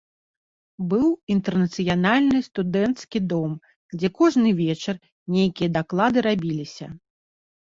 Быў інтэрнацыянальны студэнцкі дом, дзе кожны вечар нейкія даклады рабіліся.